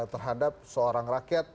terhadap seorang rakyat